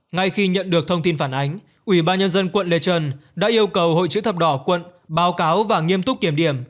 ngay khi nhận được thông tin phản ánh ủy ban nhân dân quận lê trân đã yêu cầu hội chữ thập đỏ quận báo cáo và nghiêm túc kiểm điểm